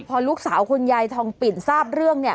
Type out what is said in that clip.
พอลูกสาวคุณยายทองปิ่นทราบเรื่องเนี่ย